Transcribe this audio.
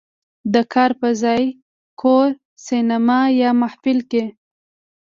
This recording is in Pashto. "د کار په ځای، کور، سینما یا محفل" کې